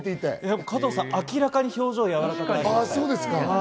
加藤さん明らかに表情がやわらかいですね。